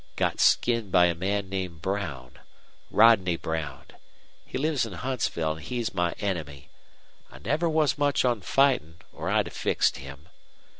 Got skinned by a man named Brown Rodney Brown. He lives in Huntsville, an' he's my enemy. I never was much on fightin', or I'd fixed him.